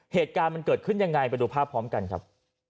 เหตุการณ์มันเกิดขึ้นยังไงไปดูภาพพร้อมกันครับ